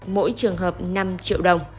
mỗi trường hợp năm triệu đồng